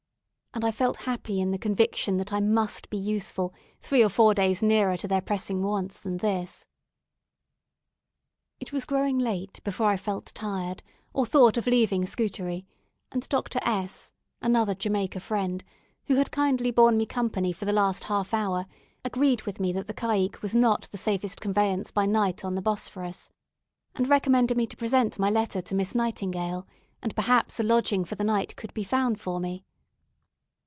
And I felt happy in the conviction that I must be useful three or four days nearer to their pressing wants than this. It was growing late before I felt tired, or thought of leaving Scutari, and Dr. S , another Jamaica friend, who had kindly borne me company for the last half hour agreed with me that the caicque was not the safest conveyance by night on the Bosphorus, and recommended me to present my letter to Miss Nightingale, and perhaps a lodging for the night could be found for me.